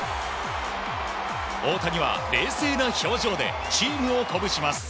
大谷は冷静な表情でチームを鼓舞します。